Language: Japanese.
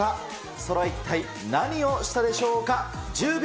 それは一体、何をしたでしょうか。